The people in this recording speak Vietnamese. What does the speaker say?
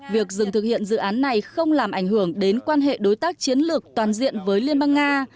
việc dừng thực hiện dự án này không làm ảnh hưởng đến quan hệ đối tác chiến lược toàn diện với liên bang nga